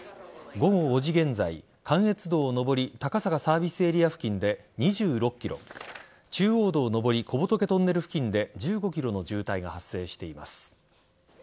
午後５時現在、関越道上り高坂サービスエリア付近で２６ｋｍ中央道上り小仏トンネル付近で１５ｋｍの渋滞が発生しています。